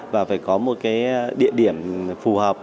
và phải có một cái địa điểm phù hợp